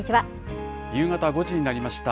夕方５時になりました。